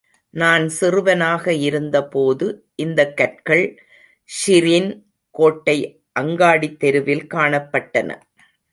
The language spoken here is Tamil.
நான் சிறுவனாக இருந்தபோது இந்தக் கற்கள் ஷிரின் கோட்டை அங்காடித் தெருவில் காணப்பட்டன.